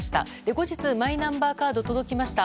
後日マイナンバーカードが届きました。